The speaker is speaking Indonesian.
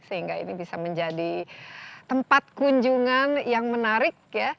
sehingga ini bisa menjadi tempat kunjungan yang menarik ya